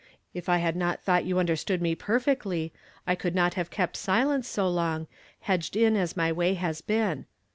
If 1 liad not thought you understood me i)erfeetly, I could not have kept silence so long, hedged in as my way has been.